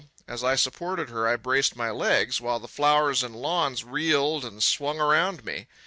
As I supported her I braced my legs, while the flowers and lawns reeled and swung around me.